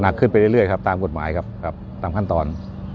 ขึ้นไปเรื่อยครับตามกฎหมายครับตามขั้นตอน